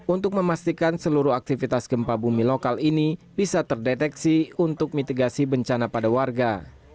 untuk memastikan seluruh aktivitas gempa bumi lokal ini bisa terdeteksi untuk mitigasi bencana pada warga